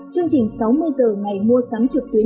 chương trình sáu mươi h ngày mua sắm trực tuyến